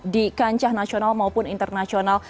di kancah nasional maupun internasional